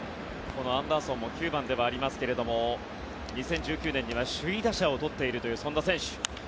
アンダーソンも９番ではありますが２０１９年には首位打者を取っているというそんな選手。